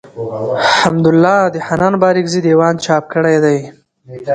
حمدالله د حنان بارکزي دېوان څاپ کړی دﺉ.